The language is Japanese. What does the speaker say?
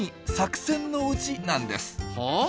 はあ？